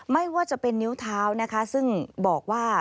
ไม่ว่าจะเป็นนิ้วเท้านะคะซึ่งบอกว่า